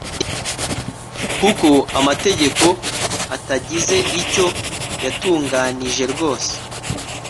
kuko amategeko atagize icyo yatunganije rwose